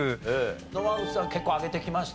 野間口さんは結構あげてきました？